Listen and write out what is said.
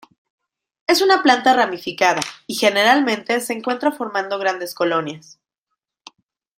Es una planta ramificada y generalmente se encuentra formando grandes colonias.